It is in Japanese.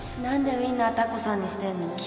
何でウインナーたこさんにしてんの？